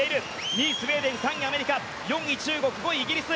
２位、スウェーデン３位、アメリカ４位中国、５位イギリス。